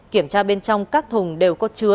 kiểm tra bên trong các thùng đều có chứa